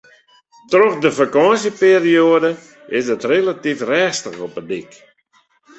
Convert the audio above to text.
Troch de fakânsjeperioade is it relatyf rêstich op 'e dyk.